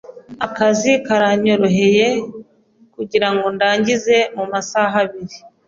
Akazi karanyoroheye kugirango ndangize mumasaha abiri.